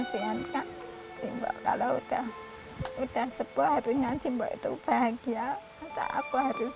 kasihan kak simbok kalau udah udah sebuah harinya simbok itu bahagia tak aku harus